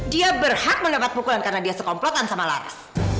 dia berhak mendapat pukulan karena dia sekomplotan sama laras